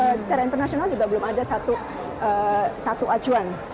jadi kita secara internasional juga belum ada satu acuan